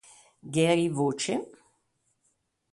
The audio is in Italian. Gary Voce